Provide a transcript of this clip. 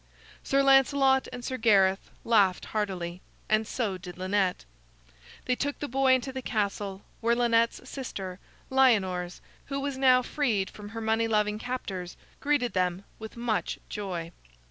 Sir Lancelot and Sir Gareth laughed heartily, and so did Lynette. They took the boy into the castle, where Lynette's sister, Lyonors, who was now freed from her money loving captors, greeted them with much joy.